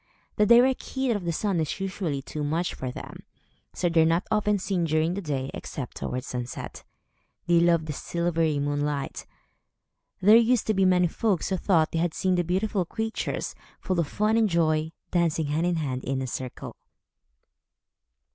The direct heat of the sun is usually too much for them, so they are not often seen during the day, except towards sunset. They love the silvery moonlight. There used to be many folks, who thought they had seen the beautiful creatures, full of fun and joy, dancing hand in hand, in a circle.